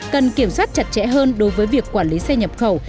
cần kiểm soát chặt chẽ hơn đối với việc quản lý xe nhập khẩu